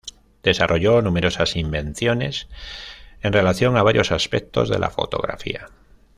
Desarrolló numerosas invenciones en relación a varios aspectos de la fotografía.